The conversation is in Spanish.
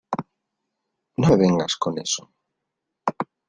no me vengas con eso.